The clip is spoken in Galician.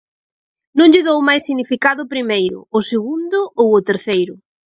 Non lle dou máis significado ao primeiro, ao segundo ou ao terceiro.